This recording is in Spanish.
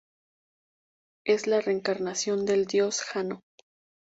Es la reencarnación del Dios Jano.